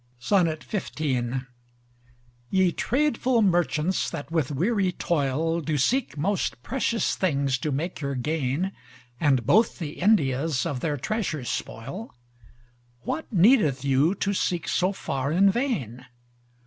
XV Ye tradefull Merchants, that with weary toil, Do seek most precious things to make your gain; And both the Indias of their treasures spoil, What needeth you to seek so far in vain?